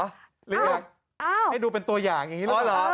หรืออยากให้ดูเป็นตัวอย่างอย่างนี้หรอ